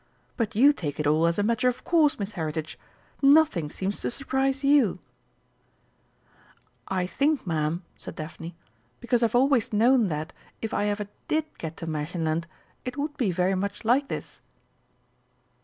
But you take it all as a matter of course, Miss Heritage; nothing seems to surprise you." "I think, Ma'am," said Daphne, "because I've always known that, if I ever did get to Märchenland, it would be very much like this."